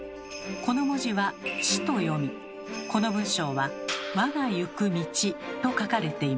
この文字は「ち」と読みこの文章は「わがゆくみち」と書かれています。